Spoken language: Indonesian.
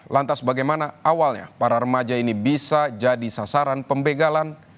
lantas bagaimana awalnya para remaja ini bisa jadi sasaran pembegalan